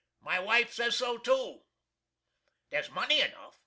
My wife says so too. There's money enough.